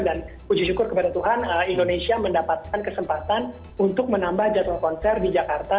dan puji syukur kepada tuhan indonesia mendapatkan kesempatan untuk menambah jadwal konser di jakarta